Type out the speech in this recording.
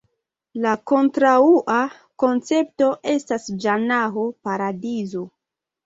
La kontraŭa koncepto estas Ĝanaho (paradizo).